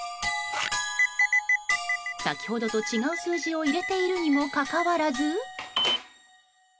先ほどと違う数字を入れているにもかかわらず。